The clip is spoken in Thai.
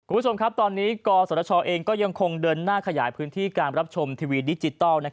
คุณผู้ชมครับตอนนี้กศชเองก็ยังคงเดินหน้าขยายพื้นที่การรับชมทีวีดิจิทัล